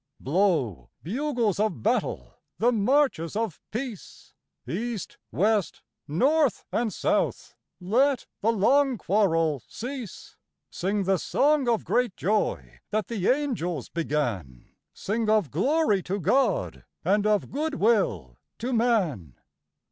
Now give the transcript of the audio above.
Blow, bugles of battle, the marches of peace; East, west, north, and south let the long quarrel cease Sing the song of great joy that the angels began, Sing of glory to God and of good will to man!